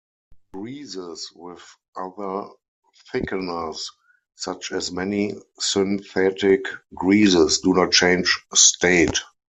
Greases with other thickeners, such as many synthetic greases, do not change state.